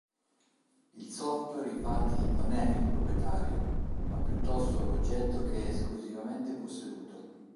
Il software infatti non è il "proprietario", ma piuttosto l'oggetto che è esclusivamente posseduto.